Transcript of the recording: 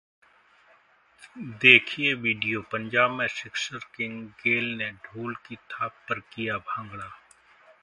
देखिए वीडियो, पंजाब में 'sixer king' Gayle ने ढोल की थाप पर किया भांगड़ा